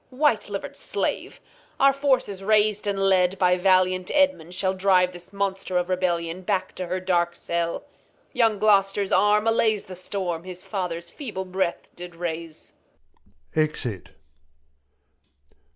Reg. White liver'd Slave! Our Forces rais'd, and led by valiant Edmund, ShaU drive this Monster of Rebellion back To her dark CeU ; young Gloster' s Arm allays The Storm, his Father's feeble Breath did raise. [Exit.